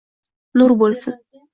nur bo’lsin